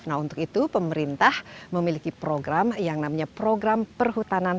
nah untuk itu pemerintah memiliki program yang namanya program perhutanan